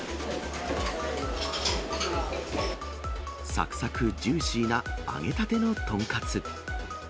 さくさく、ジューシーな揚げたての豚カツ。